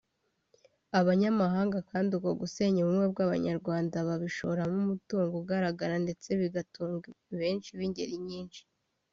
Abanyamahanga kandi uko gusenya ubumwe bw’abanyarwanda babishoramo umutungo ugaragara ndetse bigatunga benshi b’ingeri nyinshi